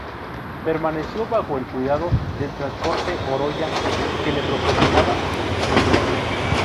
Permaneció bajo el cuidado del transporte "Oroya", que le proporcionaba tripulación.